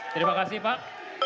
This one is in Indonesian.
terima kasih pak